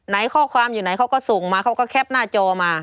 ข้อความอยู่ไหนเขาก็ส่งมาเขาก็แคปหน้าจอมา